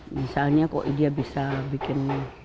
misalnya kok dia bisa bikin